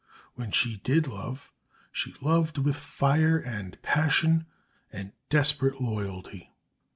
When she did love, she loved with fire and passion and desperate loyalty.